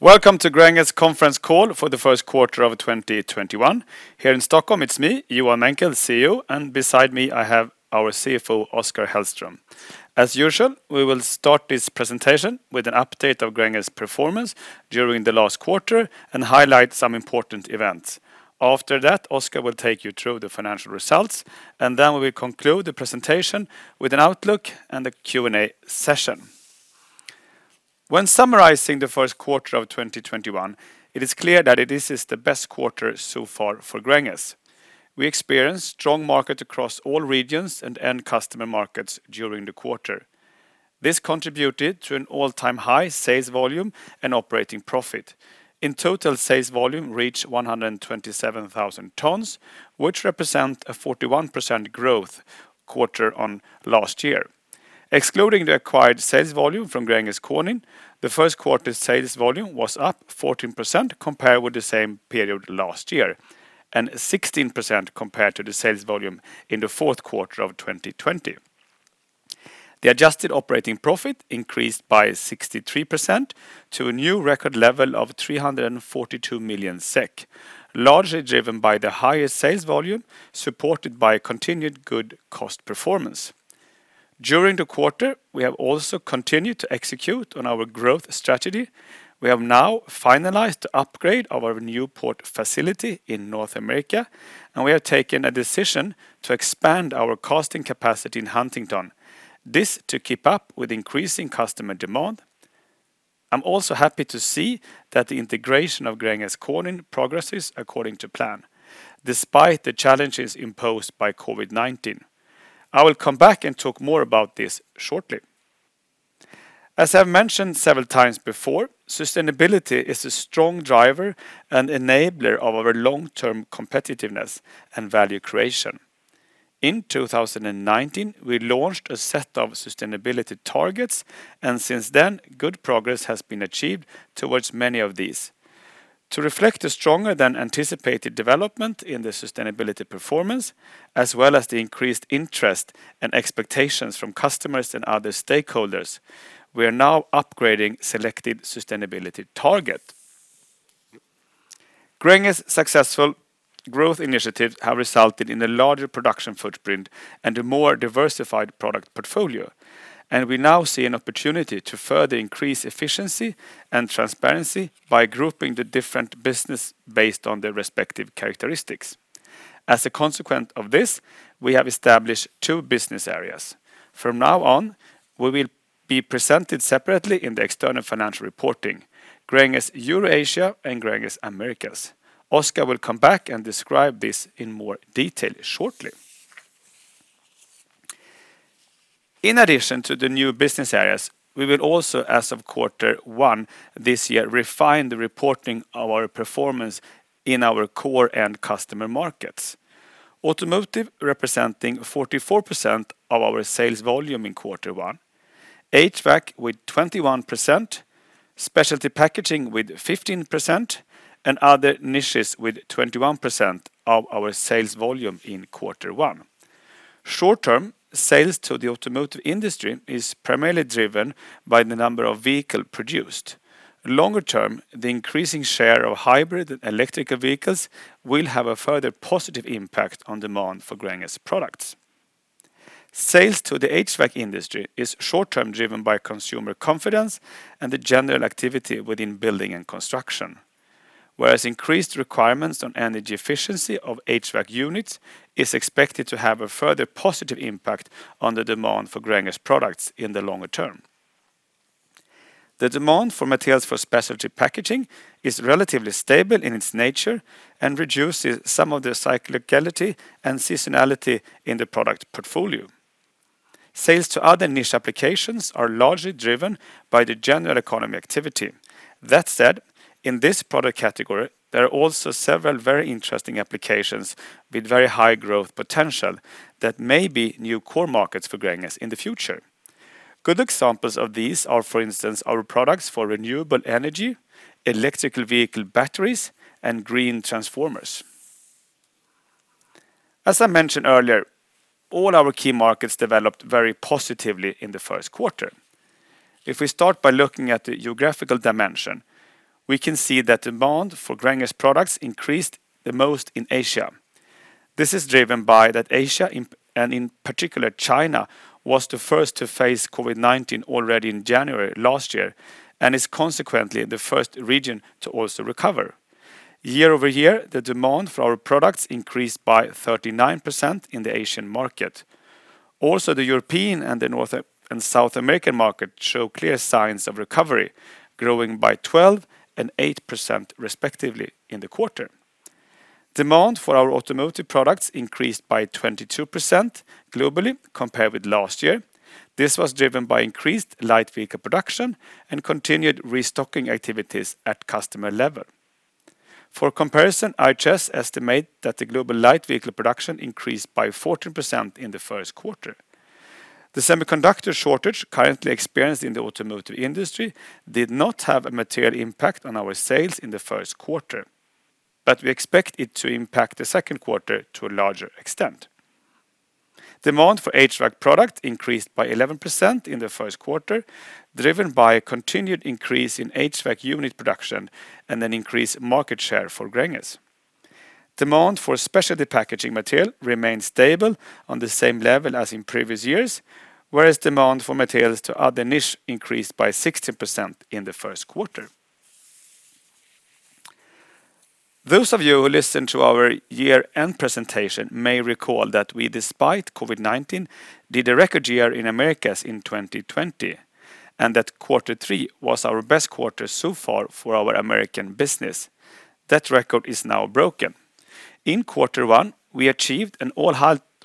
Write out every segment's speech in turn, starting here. Welcome to Gränges conference call for the first quarter of 2021. Here in Stockholm, it's me, Johan Menckel, Chief Executive Officer, and beside me I have our Chief Financial Officer, Oskar Hellström. As usual, we will start this presentation with an update of Gränges performance during the last quarter and highlight some important events. After that, Oskar will take you through the financial results, and then we will conclude the presentation with an outlook and a Q&A session. When summarizing the first quarter of 2021, it is clear that it is the best quarter so far for Gränges. We experienced strong market across all regions and end customer markets during the quarter. This contributed to an all-time high sales volume and operating profit. In total, sales volume reached 127,000 tons, which represent a 41% growth quarter on last year. Excluding the acquired sales volume from Gränges Konin, the first quarter sales volume was up 14% compared with the same period last year, and 16% compared to the sales volume in the fourth quarter of 2020. The adjusted operating profit increased by 63% to a new record level of 342 million SEK, largely driven by the higher sales volume, supported by a continued good cost performance. During the quarter, we have also continued to execute on our growth strategy. We have now finalized the upgrade of our Newport facility in North America, and we have taken a decision to expand our casting capacity in Huntingdon. This to keep up with increasing customer demand. I'm also happy to see that the integration of Gränges Konin progresses according to plan, despite the challenges imposed by COVID-19. I will come back and talk more about this shortly. As I've mentioned several times before, sustainability is a strong driver and enabler of our long-term competitiveness and value creation. In 2019, we launched a set of sustainability targets, and since then, good progress has been achieved towards many of these. To reflect the stronger than anticipated development in the sustainability performance, as well as the increased interest and expectations from customers and other stakeholders, we are now upgrading selected sustainability target. Gränges successful growth initiatives have resulted in a larger production footprint and a more diversified product portfolio, and we now see an opportunity to further increase efficiency and transparency by grouping the different business based on their respective characteristics. As a consequence of this, we have established two business areas. From now on, we will be presented separately in the external financial reporting, Gränges Eurasia and Gränges Americas. Oskar will come back and describe this in more detail shortly. In addition to the new business areas, we will also, as of quarter one this year, refine the reporting of our performance in our core and customer markets. Automotive representing 44% of our sales volume in quarter one, HVAC with 21%, specialty packaging with 15%, and other niches with 21% of our sales volume in quarter one. Short-term, sales to the automotive industry is primarily driven by the number of vehicle produced. Longer term, the increasing share of hybrid and electrical vehicles will have a further positive impact on demand for Gränges products. Sales to the HVAC industry is short-term driven by consumer confidence and the general activity within building and construction. Whereas increased requirements on energy efficiency of HVAC units is expected to have a further positive impact on the demand for Gränges products in the longer term. The demand for materials for specialty packaging is relatively stable in its nature and reduces some of the cyclicality and seasonality in the product portfolio. Sales to other niche applications are largely driven by the general economy activity. That said, in this product category, there are also several very interesting applications with very high growth potential that may be new core markets for Gränges in the future. Good examples of these are, for instance, our products for renewable energy, electrical vehicle batteries, and green transformers. As I mentioned earlier, all our key markets developed very positively in the first quarter. If we start by looking at the geographical dimension, we can see that demand for Gränges products increased the most in Asia. This is driven by that Asia, and in particular China, was the first to face COVID-19 already in January last year, and is consequently the first region to also recover. Year-over-year, the demand for our products increased by 39% in the Asian market. The European and the North and South American market show clear signs of recovery, growing by 12% and 8% respectively in the quarter. Demand for our automotive products increased by 22% globally compared with last year. This was driven by increased light vehicle production and continued restocking activities at customer level. For comparison, IHS estimate that the global light vehicle production increased by 14% in the first quarter. The semiconductor shortage currently experienced in the automotive industry did not have a material impact on our sales in the first quarter, but we expect it to impact the second quarter to a larger extent. Demand for HVAC product increased by 11% in the first quarter, driven by a continued increase in HVAC unit production and an increased market share for Gränges. Demand for specialty packaging material remained stable on the same level as in previous years, whereas demand for materials to other niche increased by 16% in the first quarter. Those of you who listened to our year-end presentation may recall that we, despite COVID-19, did a record year in Americas in 2020, and that quarter three was our best quarter so far for our American business. That record is now broken. In quarter one, we achieved an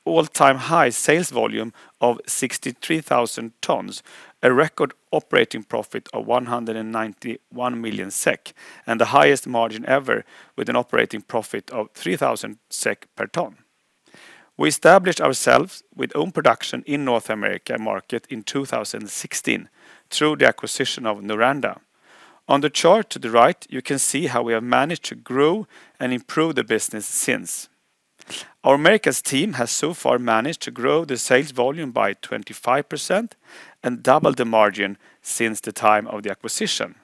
all-time high sales volume of 63,000 tons, a record operating profit of 191 million SEK, and the highest margin ever with an operating profit of 3,000 SEK per ton. We established ourselves with own production in North America market in 2016 through the acquisition of Noranda. On the chart to the right, you can see how we have managed to grow and improve the business since. Our Americas team has so far managed to grow the sales volume by 25% and double the margin since the time of the acquisition.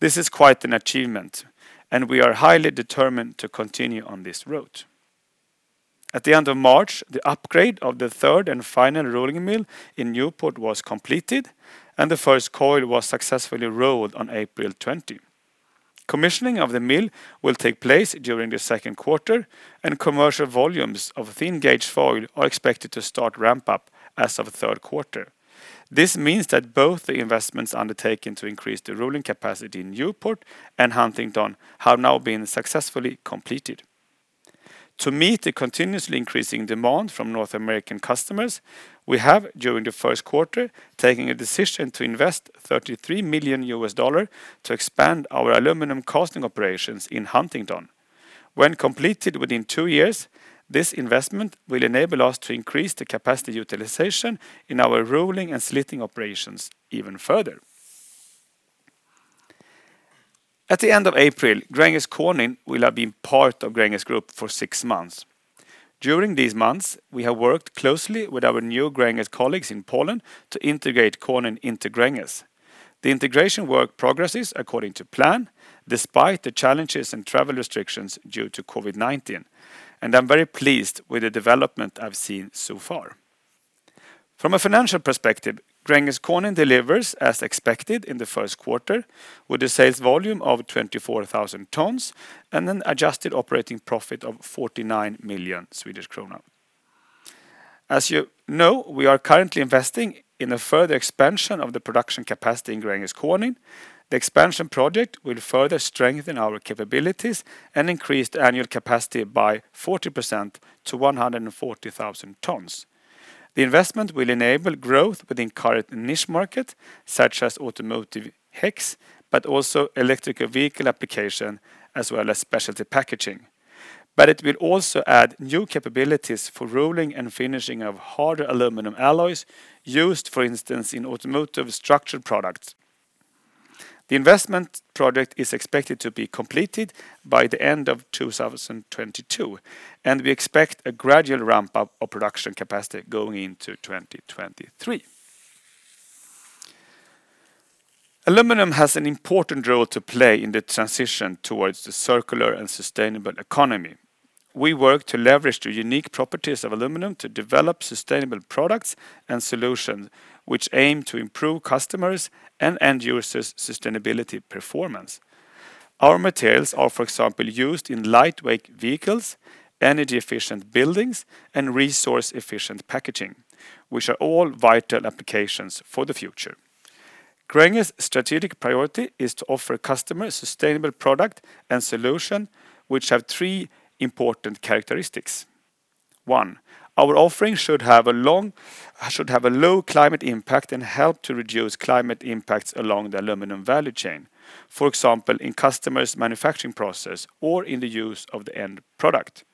This is quite an achievement, and we are highly determined to continue on this route. At the end of March, the upgrade of the third and final rolling mill in Newport was completed, and the first coil was successfully rolled on April 20. Commissioning of the mill will take place during the second quarter, and commercial volumes of thin gauge foil are expected to start ramp up as of the third quarter. This means that both the investments undertaken to increase the rolling capacity in Newport and Huntingdon have now been successfully completed. To meet the continuously increasing demand from North American customers, we have, during the first quarter, taken a decision to invest $33 million to expand our aluminum casting operations in Huntingdon. When completed within two years, this investment will enable us to increase the capacity utilization in our rolling and slitting operations even further. At the end of April, Gränges Konin will have been part of Gränges Group for six months. During these months, we have worked closely with our new Gränges colleagues in Poland to integrate Konin into Gränges. The integration work progresses according to plan despite the challenges and travel restrictions due to COVID-19, and I'm very pleased with the development I've seen so far. From a financial perspective, Gränges Konin delivers as expected in the first quarter with a sales volume of 24,000 tons and an adjusted operating profit of 49 million Swedish krona. As you know, we are currently investing in a further expansion of the production capacity in Gränges Konin. The expansion project will further strengthen our capabilities and increase the annual capacity by 40% to 140,000 tons. The investment will enable growth within current niche market, such as automotive HEX, but also electric vehicle application, as well as specialty packaging. It will also add new capabilities for rolling and finishing of harder aluminum alloys used, for instance, in automotive structured products. The investment project is expected to be completed by the end of 2022. We expect a gradual ramp up of production capacity going into 2023. Aluminum has an important role to play in the transition towards the circular and sustainable economy. We work to leverage the unique properties of aluminum to develop sustainable products and solutions which aim to improve customers' and end users' sustainability performance. Our materials are, for example, used in lightweight vehicles, energy-efficient buildings, and resource-efficient packaging, which are all vital applications for the future. Gränges' strategic priority is to offer customers sustainable product and solution which have three important characteristics. One, our offerings should have a low climate impact and help to reduce climate impacts along the aluminum value chain, for example, in customers' manufacturing process or in the use of the end product.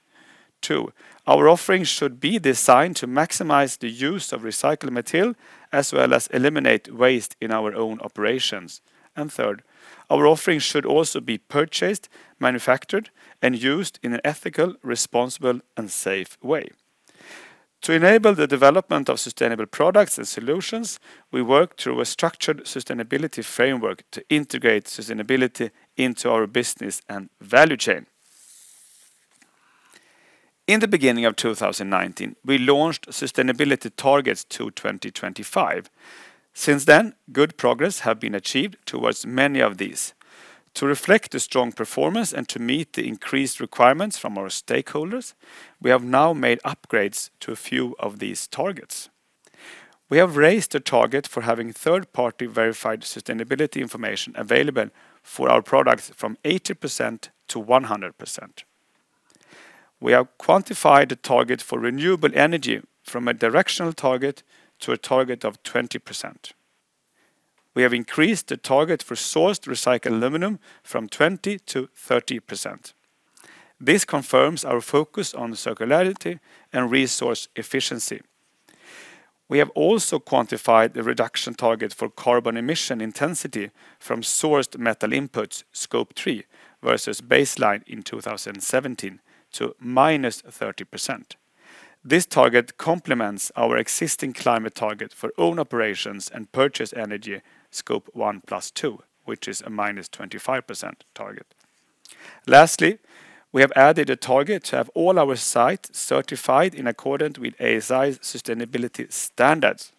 Two, our offerings should be designed to maximize the use of recycled material, as well as eliminate waste in our own operations. Third, our offerings should also be purchased, manufactured, and used in an ethical, responsible, and safe way. To enable the development of sustainable products and solutions, we work through a structured sustainability framework to integrate sustainability into our business and value chain. In the beginning of 2019, we launched sustainability targets to 2025. Since then, good progress have been achieved towards many of these. To reflect the strong performance and to meet the increased requirements from our stakeholders, we have now made upgrades to a few of these targets. We have raised the target for having third-party verified sustainability information available for our products from 80% to 100%. We have quantified the target for renewable energy from a directional target to a target of 20%. We have increased the target for sourced recycled aluminum from 20% to 30%. This confirms our focus on circularity and resource efficiency. We have also quantified the reduction target for carbon emission intensity from sourced metal inputs, Scope 3 versus baseline in 2017 to -30%. This target complements our existing climate target for own operations and purchase energy Scope 1 plus 2, which is a -25% target. Lastly, we have added a target to have all our sites certified in accordance with ASI sustainability standards.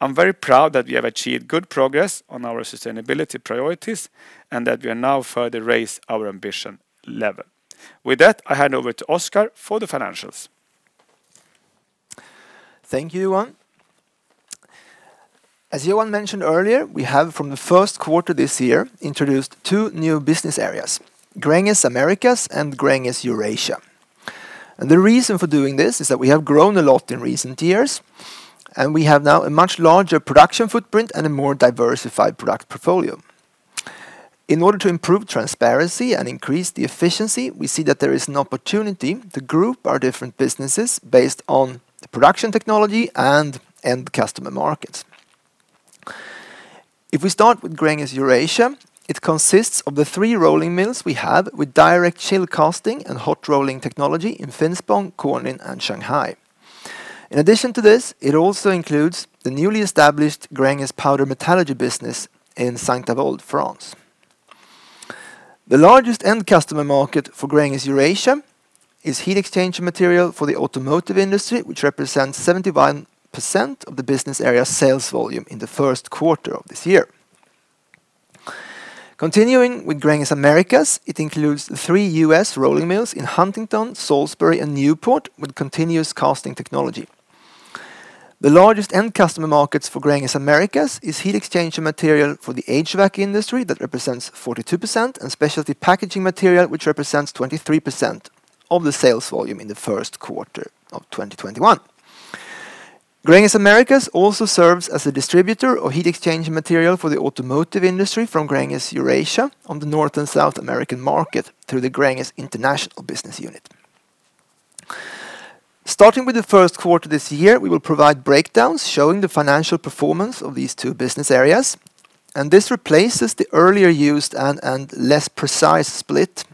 I'm very proud that we have achieved good progress on our sustainability priorities and that we have now further raised our ambition level. With that, I hand over to Oskar for the financials. Thank you, Johan. As Johan mentioned earlier, we have from the first quarter this year introduced two new business areas, Gränges Americas and Gränges Eurasia. The reason for doing this is that we have grown a lot in recent years, and we have now a much larger production footprint and a more diversified product portfolio. In order to improve transparency and increase the efficiency, we see that there is an opportunity to group our different businesses based on the production technology and end customer markets. If we start with Gränges Eurasia, it consists of the three rolling mills we have with direct chill casting and hot rolling technology in Finspång, Konin, and Shanghai. In addition to this, it also includes the newly established Gränges Powder Metallurgy business in Saint-Avold, France. The largest end customer market for Gränges Eurasia is heat exchanger material for the automotive industry, which represents 71% of the business area sales volume in the first quarter of this year. Continuing with Gränges Americas, it includes the three U.S. rolling mills in Huntingdon, Salisbury, and Newport with continuous casting technology. The largest end customer markets for Gränges Americas is heat exchanger material for the HVAC industry that represents 42%, and specialty packaging material, which represents 23% of the sales volume in the first quarter of 2021. Gränges Americas also serves as a distributor of heat exchanger material for the automotive industry from Gränges Eurasia on the North and South American market through the Gränges International business unit. Starting with the first quarter this year, we will provide breakdowns showing the financial performance of these two business areas. This replaces the earlier used and less precise split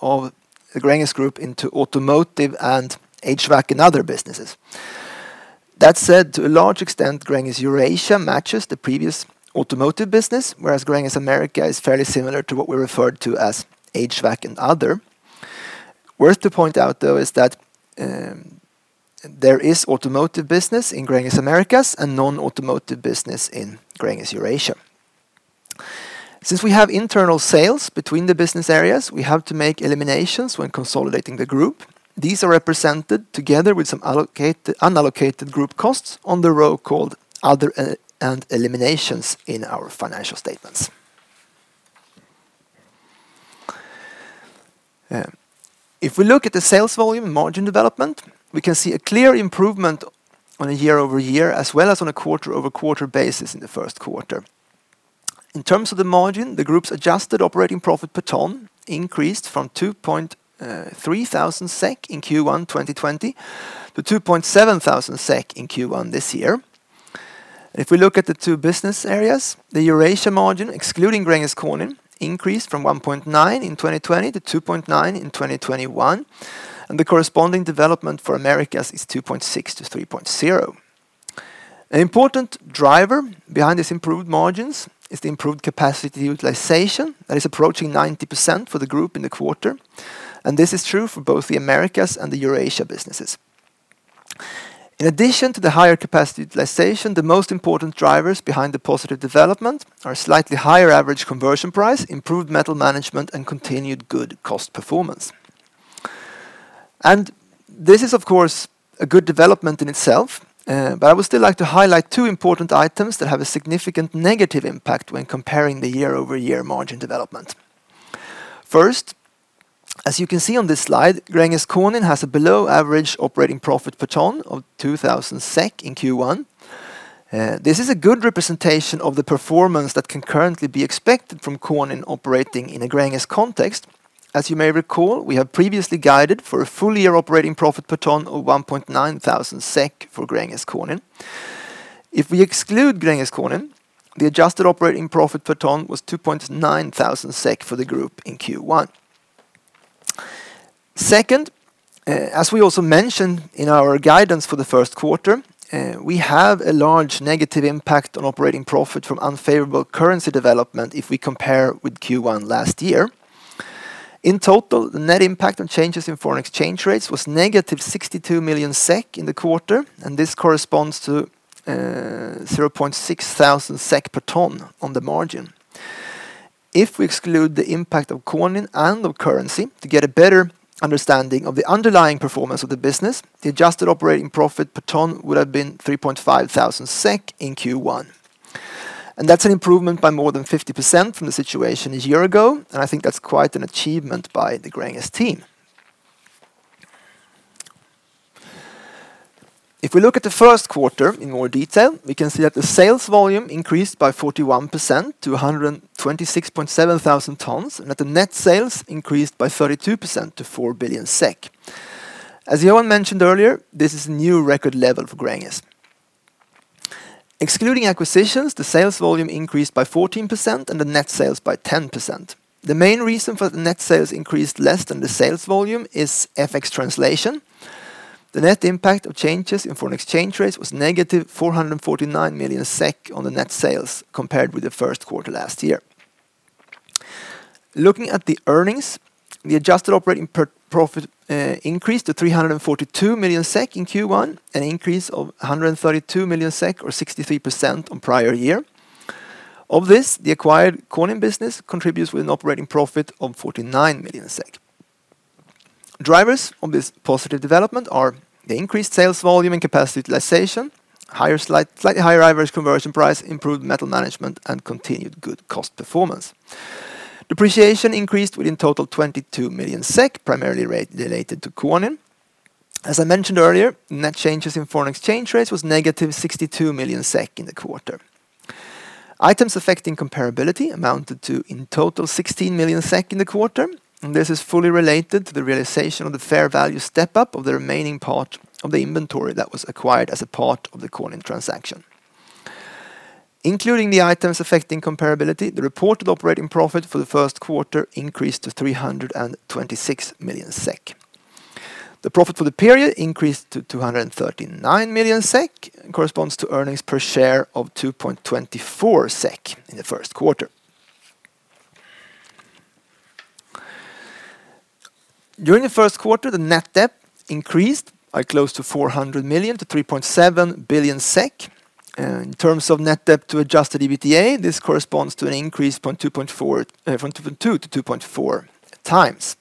of the Gränges Group into automotive and HVAC and other businesses. That said, to a large extent, Gränges Eurasia matches the previous automotive business, whereas Gränges Americas is fairly similar to what we referred to as HVAC and other. Worth to point out, though, is that there is automotive business in Gränges Americas and non-automotive business in Gränges Eurasia. Since we have internal sales between the business areas, we have to make eliminations when consolidating the group. These are represented together with some unallocated group costs on the row called other and eliminations in our financial statements. If we look at the sales volume margin development, we can see a clear improvement on a year-over-year, as well as on a quarter-over-quarter basis in the first quarter. In terms of the margin, the Group's adjusted operating profit per ton increased from 2,300 SEK in Q1 2020 to 2,700 SEK in Q1 this year. If we look at the two business areas, the Eurasia margin, excluding Gränges Konin, increased from 1,900 In 2020 to 2,900 in 2021. The corresponding development for Americas is 2,600-3,000. An important driver behind this improved margins is the improved capacity utilization that is approaching 90% for the Group in the quarter. This is true for both the Americas and the Eurasia businesses. In addition to the higher capacity utilization, the most important drivers behind the positive development are slightly higher average conversion price, improved metal management, and continued good cost performance. This is, of course, a good development in itself, but I would still like to highlight two important items that have a significant negative impact when comparing the year-over-year margin development. First, as you can see on this slide, Gränges Konin has a below average operating profit per ton of 2,000 SEK in Q1. This is a good representation of the performance that can currently be expected from Konin operating in a Gränges context. As you may recall, we have previously guided for a full-year operating profit per ton of SEK 1,900 for Gränges Konin. If we exclude Gränges Konin, the adjusted operating profit per ton was 2,900 SEK for the group in Q1. Second, as we also mentioned in our guidance for the first quarter, we have a large negative impact on operating profit from unfavorable currency development if we compare with Q1 last year. In total, the net impact on changes in foreign exchange rates was -62 million SEK in the quarter. This corresponds to 600 SEK per ton on the margin. If we exclude the impact of Konin and of currency to get a better understanding of the underlying performance of the business, the adjusted operating profit per ton would have been 3,500 SEK in Q1. That's an improvement by more than 50% from the situation a year ago. I think that's quite an achievement by the Gränges team. If we look at the first quarter in more detail, we can see that the sales volume increased by 41% to 126,700 tons, and that the net sales increased by 32% to 4 billion SEK. As Johan mentioned earlier, this is a new record level for Gränges. Excluding acquisitions, the sales volume increased by 14% and the net sales by 10%. The main reason for the net sales increased less than the sales volume is FX translation. The net impact of changes in foreign exchange rates was -449 million SEK on the net sales compared with the first quarter last year. Looking at the earnings, the adjusted operating profit increased to 342 million SEK in Q1, an increase of 132 million SEK or 63% on prior year. Of this, the acquired Konin business contributes with an operating profit of 49 million. Drivers of this positive development are the increased sales volume and capacity utilization, slightly higher average conversion price, improved metal management, and continued good cost performance. Depreciation increased within total 22 million SEK, primarily related to Konin. As I mentioned earlier, net changes in foreign exchange rates was -62 million SEK in the quarter. Items affecting comparability amounted to, in total, 16 million SEK in the quarter, and this is fully related to the realization of the fair value step-up of the remaining part of the inventory that was acquired as a part of the Konin transaction. Including the items affecting comparability, the reported operating profit for the first quarter increased to SEK 326 million. The profit for the period increased to SEK 239 million, corresponds to earnings per share of SEK 2.24 in the first quarter. During the first quarter, the net debt increased by close to 400 million to 3.7 billion SEK. In terms of net debt to adjusted EBITDA, this corresponds to an increase from 2.2x-2.4x.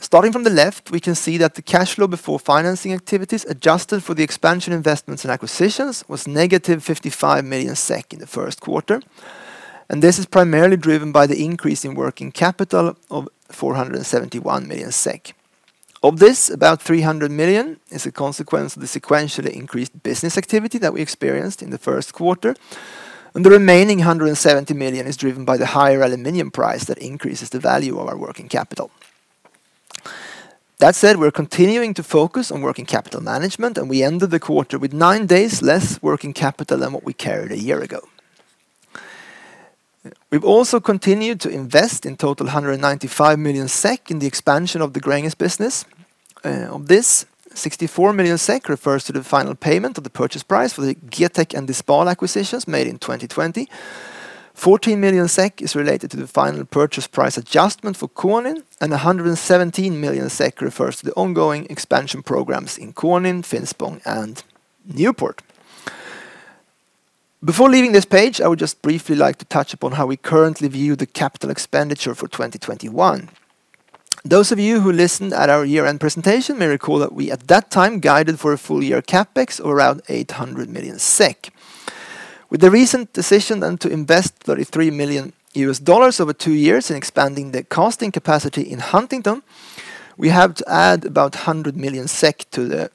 Starting from the left, we can see that the cash flow before financing activities adjusted for the expansion investments and acquisitions was -55 million SEK in the first quarter. This is primarily driven by the increase in working capital of 471 million SEK. Of this, about 300 million is a consequence of the sequentially increased business activity that we experienced in the first quarter, and the remaining 170 million is driven by the higher aluminum price that increases the value of our working capital. That said, we are continuing to focus on working capital management, and we ended the quarter with nine days less working capital than what we carried a year ago. We've also continued to invest in total 195 million SEK in the expansion of the Gränges business. Of this, 64 million SEK refers to the final payment of the purchase price for the GETEK and Dispal acquisitions made in 2020. 14 million SEK is related to the final purchase price adjustment for Konin, and 117 million SEK refers to the ongoing expansion programs in Konin, Finspång, and Newport. Before leaving this page, I would just briefly like to touch upon how we currently view the capital expenditure for 2021. Those of you who listened at our year-end presentation may recall that we, at that time, guided for a full-year CapEx of around 800 million SEK. With the recent decision then to invest $33 million over two years in expanding the casting capacity in Huntingdon, we have to add about 100 million SEK to the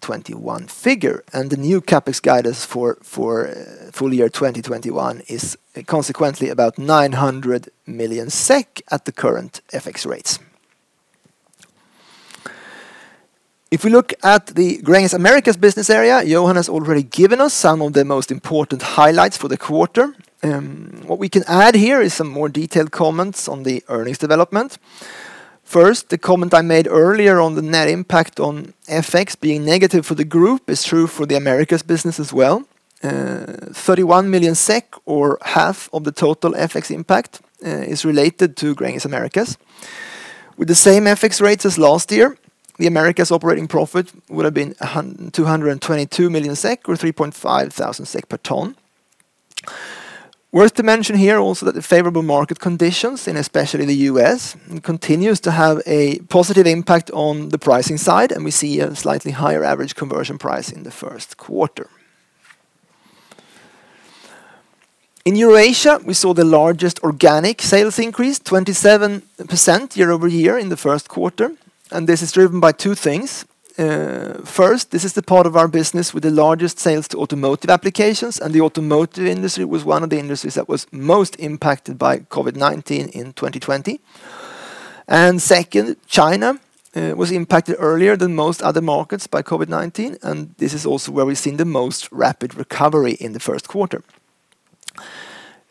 2021 figure, and the new CapEx guidance for full year 2021 is consequently about 900 million SEK at the current FX rates. If we look at the Gränges Americas business area, Johan has already given us some of the most important highlights for the quarter. What we can add here is some more detailed comments on the earnings development. First, the comment I made earlier on the net impact on FX being negative for the group is true for the Americas business as well. 31 million SEK or half of the total FX impact is related to Gränges Americas. With the same FX rates as last year, the Americas operating profit would have been 222 million SEK or 3,500 SEK per ton. Worth to mention here also that the favorable market conditions in especially the U.S. continues to have a positive impact on the pricing side, and we see a slightly higher average conversion price in the first quarter. In Eurasia, we saw the largest organic sales increase, 27% year-over-year in the first quarter. This is driven by two things. First, this is the part of our business with the largest sales to automotive applications, and the automotive industry was one of the industries that was most impacted by COVID-19 in 2020. Second, China was impacted earlier than most other markets by COVID-19, and this is also where we've seen the most rapid recovery in the first quarter.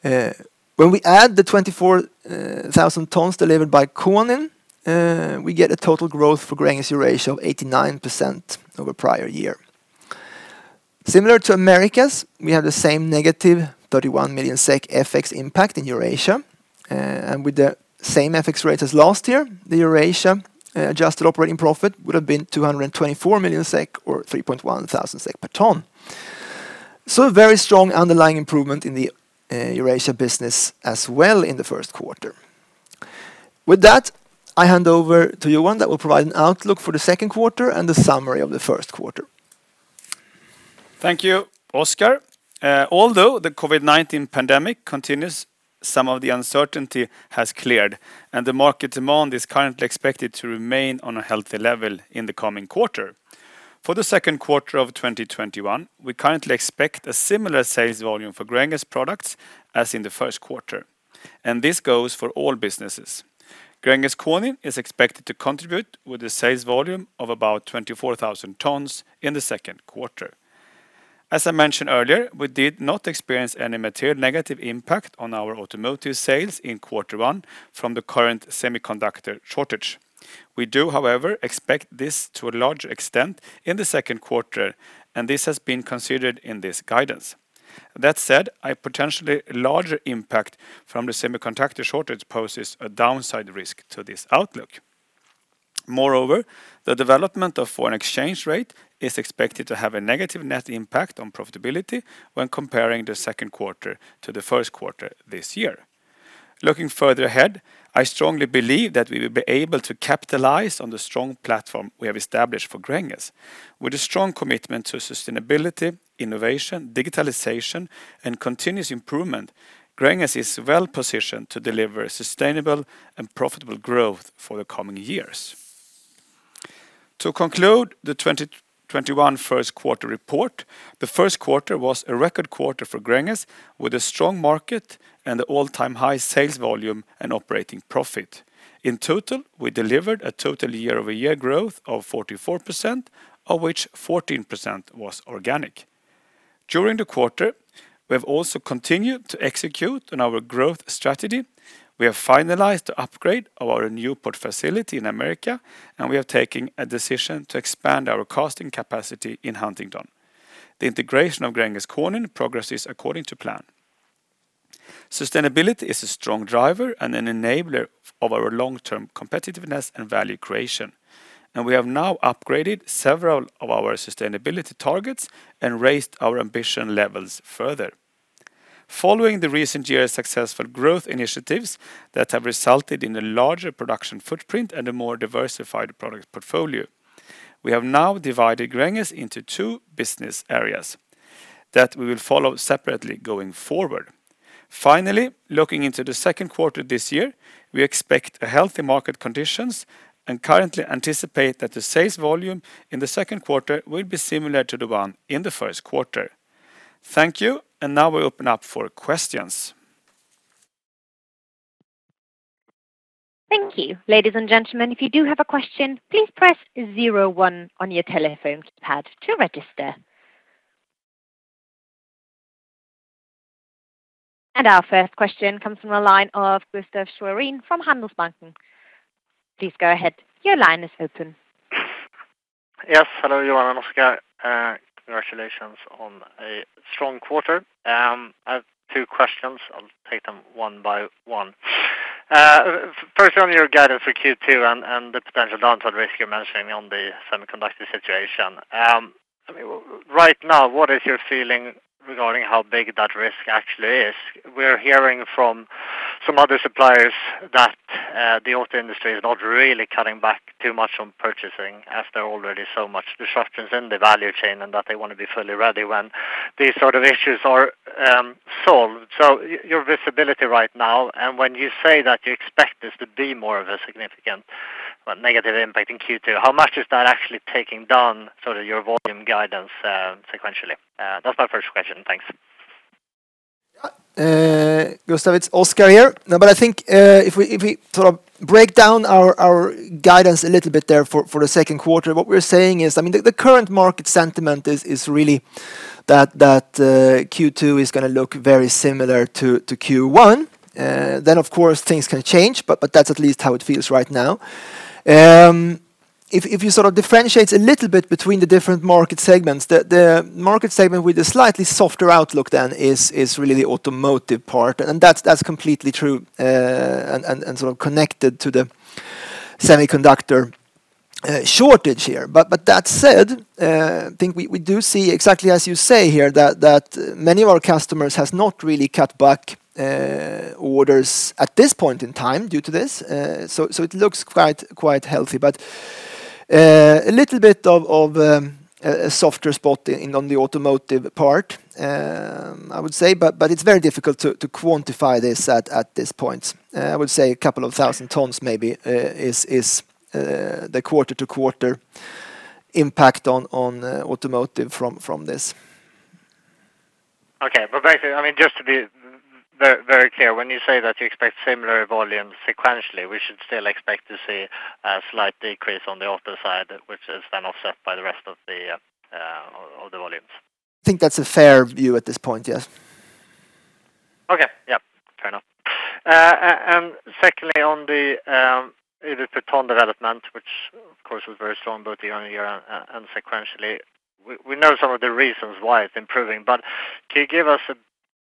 When we add the 24,000 tons delivered by Konin, we get a total growth for Gränges Eurasia of 89% over prior year. Similar to Americas, we have the same -31 million SEK FX impact in Eurasia. With the same FX rate as last year, the Eurasia adjusted operating profit would have been 224 million SEK or 3,100 SEK per ton. A very strong underlying improvement in the Eurasia business as well in the first quarter. With that, I hand over to Johan that will provide an outlook for the second quarter and the summary of the first quarter. Thank you, Oskar. Although the COVID-19 pandemic continues, some of the uncertainty has cleared, and the market demand is currently expected to remain on a healthy level in the coming quarter. For the second quarter of 2021, we currently expect a similar sales volume for Gränges products as in the first quarter, and this goes for all businesses. Gränges Konin is expected to contribute with a sales volume of about 24,000 tons in the second quarter. As I mentioned earlier, we did not experience any material negative impact on our automotive sales in quarter one from the current semiconductor shortage. We do, however, expect this to a larger extent in the second quarter, and this has been considered in this guidance. That said, a potentially larger impact from the semiconductor shortage poses a downside risk to this outlook. Moreover, the development of foreign exchange rate is expected to have a negative net impact on profitability when comparing the second quarter to the first quarter this year. Looking further ahead, I strongly believe that we will be able to capitalize on the strong platform we have established for Gränges. With a strong commitment to sustainability, innovation, digitalization, and continuous improvement, Gränges is well-positioned to deliver sustainable and profitable growth for the coming years. To conclude the 2021 first quarter report, the first quarter was a record quarter for Gränges with a strong market and the all-time high sales volume and operating profit. In total, we delivered a total year-over-year growth of 44%, of which 14% was organic. During the quarter, we have also continued to execute on our growth strategy. We have finalized the upgrade of our Newport facility in America. We are taking a decision to expand our casting capacity in Huntingdon. The integration of Gränges Konin progresses according to plan. Sustainability is a strong driver and an enabler of our long-term competitiveness and value creation. We have now upgraded several of our sustainability targets and raised our ambition levels further. Following the recent years' successful growth initiatives that have resulted in a larger production footprint and a more diversified product portfolio, we have now divided Gränges into two business areas that we will follow separately going forward. Looking into the second quarter this year, we expect a healthy market conditions and currently anticipate that the sales volume in the second quarter will be similar to the one in the first quarter. Thank you. Now we open up for questions. Thank you. Ladies and gentlemen, if you do have a question, please press zero one on your telephone keypad to register. Our first question comes from the line of Gustaf Schwerin from Handelsbanken. Please go ahead. Your line is open. Hello, Johan and Oskar. Congratulations on a strong quarter. I have two questions. I'll take them one by one. First, on your guidance for Q2 and the potential downside risk you're mentioning on the semiconductor situation. Right now, what is your feeling regarding how big that risk actually is? We're hearing from some other suppliers that the auto industry is not really cutting back too much on purchasing after already so much disruptions in the value chain, and that they want to be fully ready when these sort of issues are solved. Your visibility right now, and when you say that you expect this to be more of a significant negative impact in Q2, how much is that actually taking down your volume guidance sequentially? That's my first question. Thanks. Yeah. Gustaf, it's Oskar here. I think if we break down our guidance a little bit there for the second quarter, what we're saying is, the current market sentiment is really that Q2 is going to look very similar to Q1. Of course, things can change, but that's at least how it feels right now. If you differentiate a little bit between the different market segments, the market segment with a slightly softer outlook then is really the automotive part, and that's completely true and connected to the semiconductor shortage here. That said, I think we do see exactly as you say here, that many of our customers has not really cut back orders at this point in time due to this. It looks quite healthy, but a little bit of a softer spot on the automotive part, I would say, but it's very difficult to quantify this at this point. I would say a couple of thousand tons maybe is the quarter-to-quarter impact on automotive from this. Okay. Basically, just to be very clear, when you say that you expect similar volumes sequentially, we should still expect to see a slight decrease on the auto side, which is then offset by the rest of the volumes? I think that's a fair view at this point. Yes. Okay. Yeah. Fair enough. Secondly, on the EBITDA development, which of course, was very strong both year-on-year and sequentially. We know some of the reasons why it is improving, but can you give us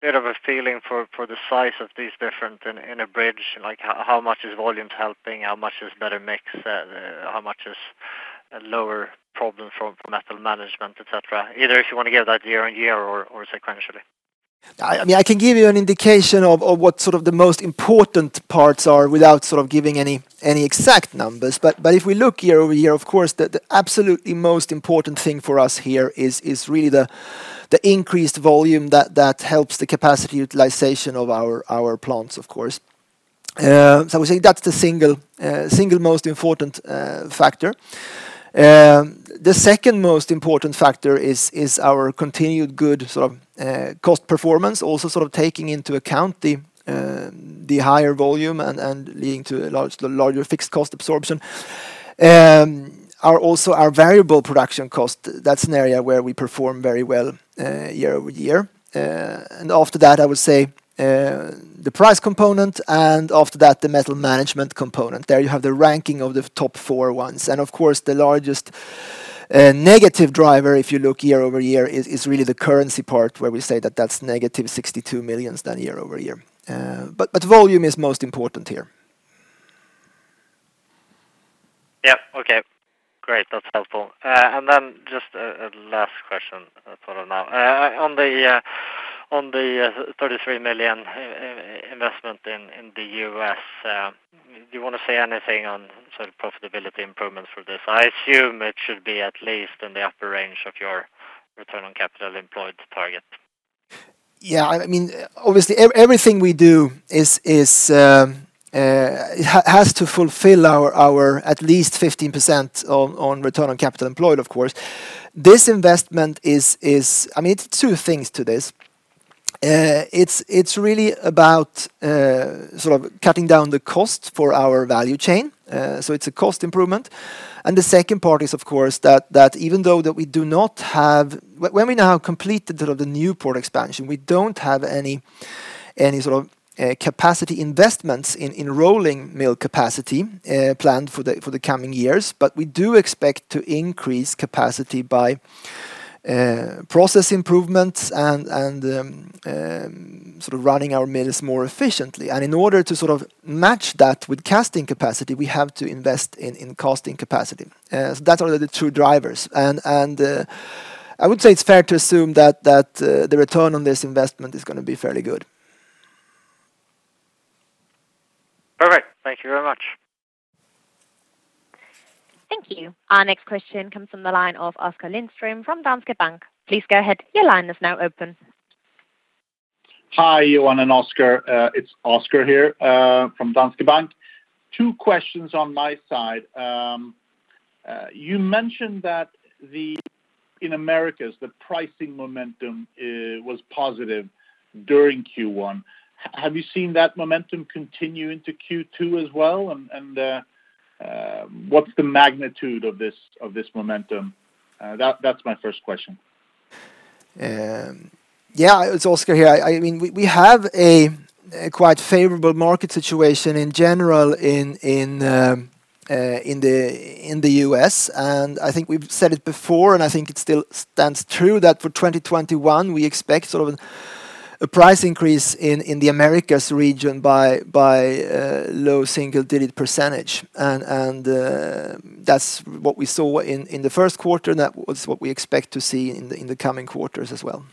a bit of a feeling for the size of these different in a bridge, like how much is volumes helping? How much is better mix? How much is a lower problem for metal management, et cetera? Either if you want to give that year-on-year or sequentially. I can give you an indication of what the most important parts are without giving any exact numbers. If we look year-over-year, of course, the absolutely most important thing for us here is really the increased volume that helps the capacity utilization of our plants, of course. I would say that's the single most important factor. The second most important factor is our continued good cost performance. The higher volume leading to the larger fixed cost absorption. Also our variable production cost, that's an area where we perform very well year-over-year. After that, I would say, the price component, and after that, the metal management component. There you have the ranking of the top four ones. Of course, the largest negative driver, if you look year-over-year, is really the currency part where we say that that's -62 million than year-over-year. Volume is most important here. Yeah. Okay, great. That's helpful. Then just a last question for now. On the $33 million investment in the U.S., do you want to say anything on profitability improvements for this? I assume it should be at least in the upper range of your return on capital employed target. Yeah. Obviously, everything we do has to fulfill our at least 15% on return on capital employed, of course. It's two things to this. It's really about cutting down the cost for our value chain. It's a cost improvement. The second part is, of course, that when we now complete the Newport expansion, we don't have any capacity investments in rolling mill capacity planned for the coming years. We do expect to increase capacity by process improvements and running our mills more efficiently. In order to match that with casting capacity, we have to invest in casting capacity. That's really the two drivers, and I would say it's fair to assume that the return on this investment is going to be fairly good. Perfect. Thank you very much. Thank you. Our next question comes from the line of Oskar Lindström from Danske Bank. Please go ahead. Your line is now open. Hi, Johan and Oskar. It's Oskar here from Danske Bank. Two questions on my side. You mentioned that in Americas, the pricing momentum was positive during Q1. Have you seen that momentum continue into Q2 as well? What's the magnitude of this momentum? That's my first question. Yeah. It's Oskar here. We have a quite favorable market situation in general in the U.S., I think we've said it before, and I think it still stands true that for 2021, we expect a price increase in the Americas region by low single-digit percentage. That's what we saw in the first quarter, and that was what we expect to see in the coming quarters as well.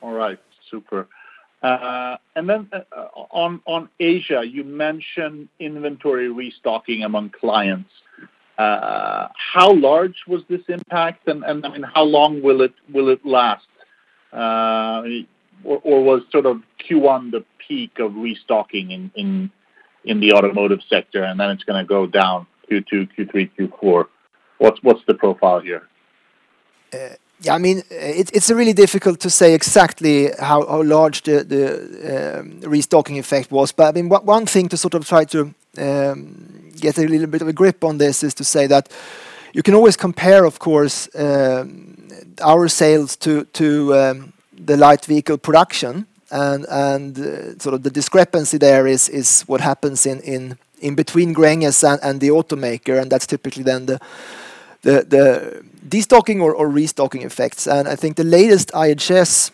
All right. Super. Then on Asia, you mentioned inventory restocking among clients. How large was this impact and how long will it last? Was Q1 the peak of restocking in the automotive sector and then it's going to go down Q2, Q3, Q4? What's the profile here? It's really difficult to say exactly how large the restocking effect was. One thing to try to get a little bit of a grip on this is to say that you can always compare, of course, our sales to the light vehicle production. The discrepancy there is what happens in between Gränges and the automaker, and that's typically then the destocking or restocking effects. I think the latest IHS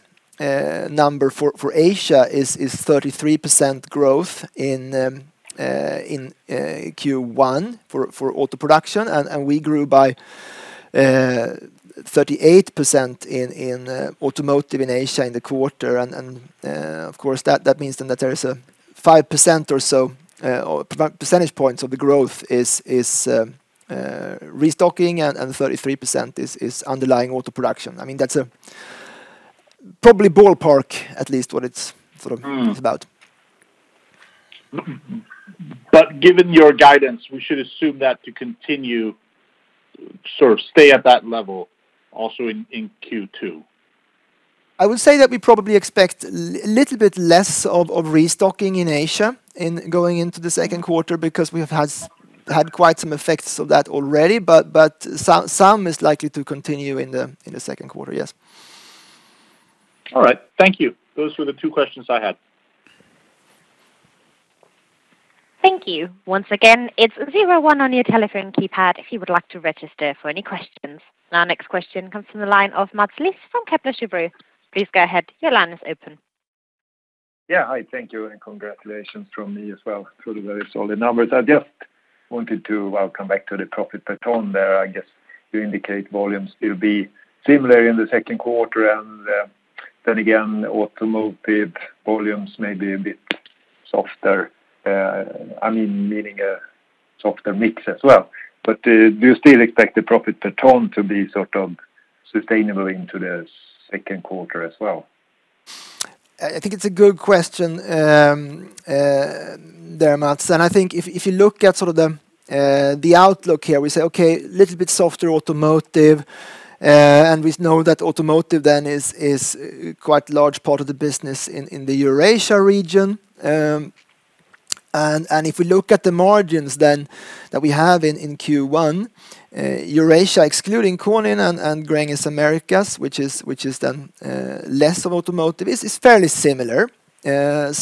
number for Asia is 33% growth in Q1 for auto production, and we grew by 38% in automotive in Asia in the quarter. Of course, that means then that there is a 5% or so, or percentage points of the growth is restocking and 33% is underlying auto production. That's probably ballpark at least what it's about. Given your guidance, we should assume that to continue, stay at that level also in Q2. I would say that we probably expect a little bit less of restocking in Asia going into the second quarter because we have had quite some effects of that already. Some is likely to continue in the second quarter, yes. All right. Thank you. Those were the two questions I had. Thank you. Once again, it's zero one on your telephone keypad if you would like to register for any questions. Our next question comes from the line of Mats Liss from Kepler Cheuvreux. Please go ahead. Your line is open. Yeah. Hi, thank you, and congratulations from me as well for the very solid numbers. I just wanted to welcome back to the profit per ton there. I guess you indicate volumes still be similar in the second quarter, and then again, automotive volumes may be a bit softer. Meaning a softer mix as well. Do you still expect the profit per ton to be sustainable into the second quarter as well? I think it's a good question. Thereabouts. I think if you look at the outlook here, we say, okay, little bit softer automotive, and we know that automotive then is quite large part of the business in the Eurasia region. If we look at the margins then that we have in Q1, Eurasia, excluding Konin and Gränges Americas, which is then less of automotive, is fairly similar. It's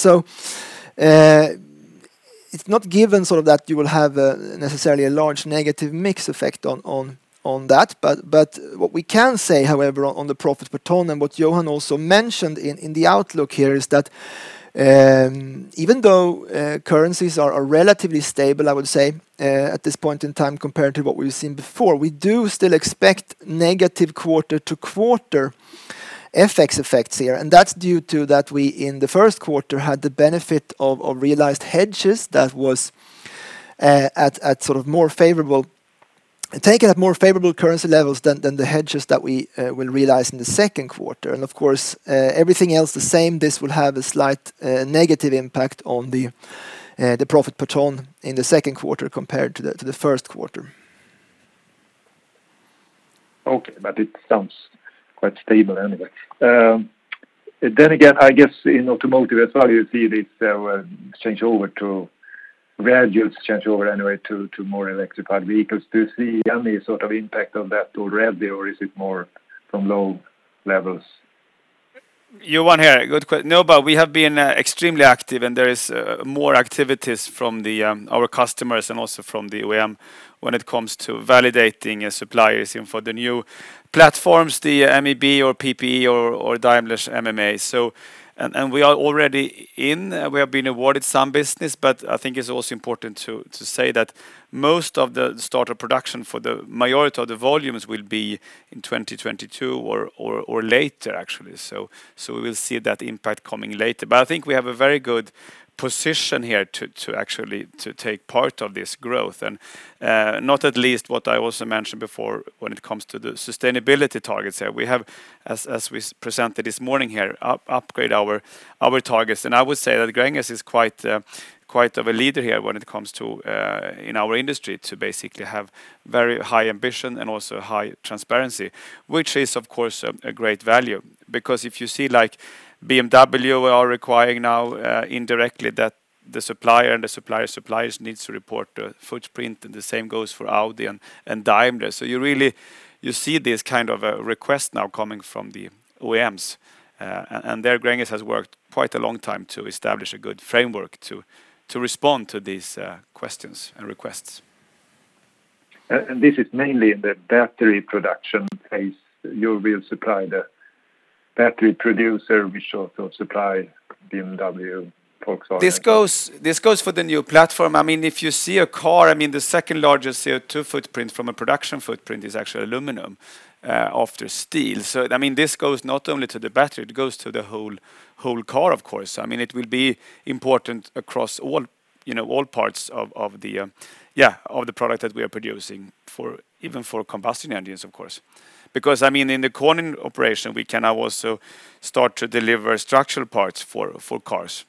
not given that you will have necessarily a large negative mix effect on that. What we can say, however, on the profit per ton and what Johan also mentioned in the outlook here is that even though currencies are relatively stable, I would say, at this point in time compared to what we've seen before, we do still expect negative quarter-to-quarter FX effects here. That's due to that we, in the first quarter, had the benefit of realized hedges that was taken at more favorable currency levels than the hedges that we will realize in the second quarter. Of course, everything else the same, this will have a slight negative impact on the profit per ton in the second quarter compared to the first quarter. Okay. It sounds quite stable anyway. Again, I guess in automotive as well, you see this changeover to more electrified vehicles. Do you see any impact of that already, or is it more from low levels? Johan here. we have been extremely active, and there is more activities from our customers and also from the OEM when it comes to validating suppliers for the new platforms, the MEB or PPE or Daimler's MMA. we are already in, we have been awarded some business, but I think it's also important to say that most of the starter production for the majority of the volumes will be in 2022 or later, actually. we will see that impact coming later. I think we have a very good position here to actually to take part of this growth. not at least what I also mentioned before when it comes to the sustainability targets here. We have, as we presented this morning here, upgrade our targets. I would say that Gränges is quite of a leader here when it comes to in our industry to basically have very high ambition and also high transparency, which is, of course, a great value. Because if you see like BMW are requiring now indirectly that the supplier and the supplier's suppliers needs to report the footprint, and the same goes for Audi and Daimler. You really see this kind of a request now coming from the OEMs. There Gränges has worked quite a long time to establish a good framework to respond to these questions and requests. This is mainly in the battery production phase. You will supply the battery producer, which also supply BMW, Volkswagen. This goes for the new platform. If you see a car, the second largest CO2 footprint from a production footprint is actually aluminum after steel. This goes not only to the battery, it goes to the whole car, of course. It will be important across all parts of the product that we are producing, even for combustion engines, of course. Because in the Konin operation, we can now also start to deliver structural parts for cars.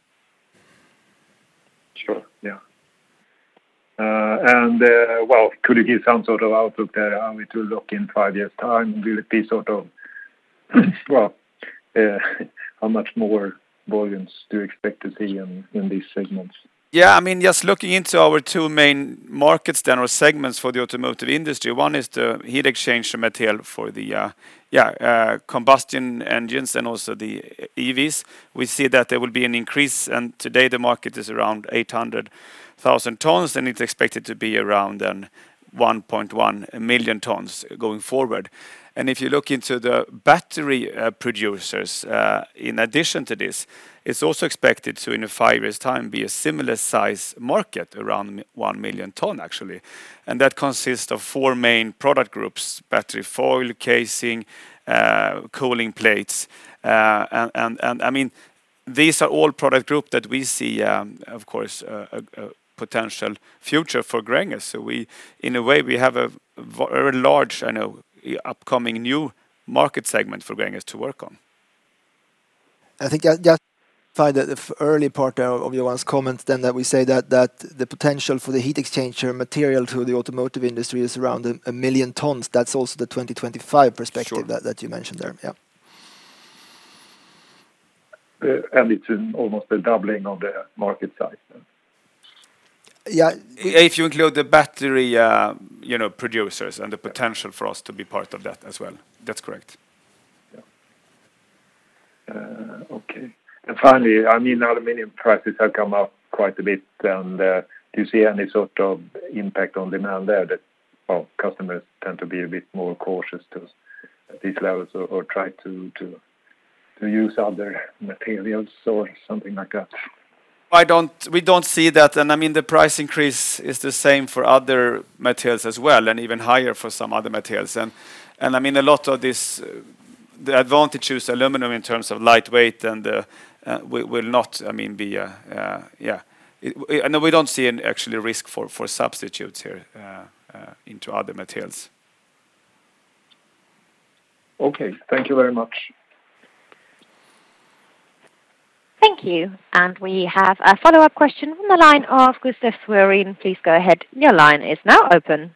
Sure. Yeah. could you give some sort of outlook there, how it will look in five years' time? How much more volumes do you expect to see in these segments? Yeah, just looking into our two main markets then, or segments for the automotive industry. One is the heat exchange material for the combustion engines and also the EVs. We see that there will be an increase, and today the market is around 800,000 tons, and it's expected to be around 1,100,000 tons going forward. If you look into the battery producers, in addition to this, it's also expected to, in a five years' time, be a similar size market, around 1,000,000 ton, actually. That consists of four main product groups, battery foil, casing, cooling plates. These are all product group that we see, of course, a potential future for Gränges. In a way, we have a very large upcoming new market segment for Gränges to work on. I think just find that the early part of Johan's comments then that we say that the potential for the heat exchanger material to the automotive industry is around 1,000,000 tons. That's also the 2025 perspective that you mentioned there. Yeah. It's almost a doubling of the market size, then? Yeah. If you include the battery producers and the potential for us to be part of that as well. That's correct. Yeah. Okay. Finally, aluminum prices have come up quite a bit, and do you see any sort of impact on demand there that customers tend to be a bit more cautious at these levels or try to use other materials or something like that? We don't see that, and the price increase is the same for other materials as well, and even higher for some other materials. A lot of this, the advantage to use aluminum in terms of light weight. No, we don't see an actual risk for substitutes here into other materials. Okay. Thank you very much. Thank you. We have a follow-up question from the line of Gustaf Schwerin. Please go ahead. Your line is now open.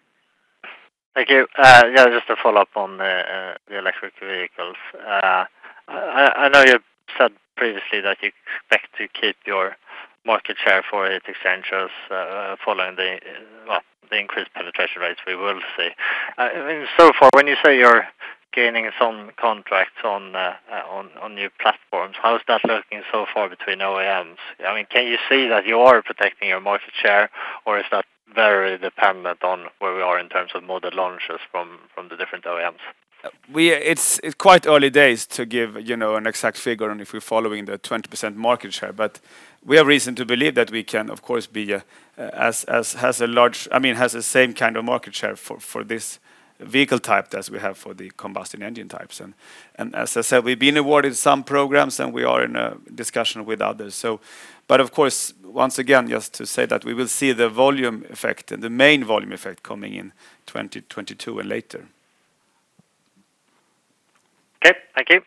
Thank you. Yeah, just a follow-up on the electric vehicles. I know you said previously that you expect to keep your market share for heat exchangers following the increased penetration rates we will see. So far, when you say you're gaining some contracts on new platforms, how is that looking so far between OEMs? Can you see that you are protecting your market share, or is that very dependent on where we are in terms of model launches from the different OEMs? It's quite early days to give an exact figure on if we're following the 20% market share, but we have reason to believe that we can, of course, have the same kind of market share for this vehicle type as we have for the combustion engine types. As I said, we've been awarded some programs, and we are in a discussion with others. Of course, once again, just to say that we will see the volume effect, the main volume effect coming in 2022 and later. Okay, thank you.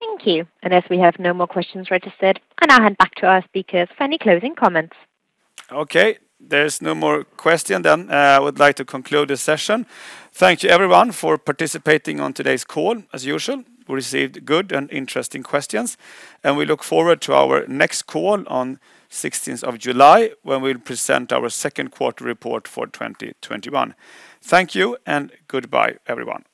Thank you. As we have no more questions registered, I now hand back to our speakers for any closing comments. Okay. There's no more question then. I would like to conclude this session. Thank you, everyone, for participating on today's call. As usual, we received good and interesting questions, and we look forward to our next call on 16th of July when we'll present our second quarter report for 2021. Thank you and goodbye, everyone.